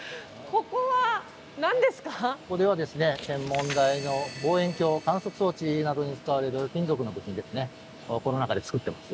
ここではですね天文台の望遠鏡観測装置などに使われる金属の部品ですねをこの中で作ってます。